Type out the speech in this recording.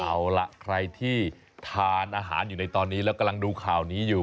เอาล่ะใครที่ทานอาหารอยู่ในตอนนี้แล้วกำลังดูข่าวนี้อยู่